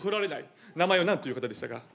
名前は何という方でしたか？